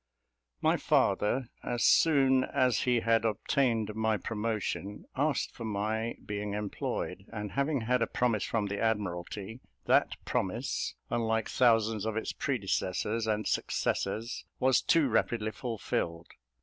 My father, as soon as he had obtained my promotion, asked for my being employed; and having had a promise from the Admiralty, that promise, unlike thousands of its predecessors and successors, was too rapidly fulfilled.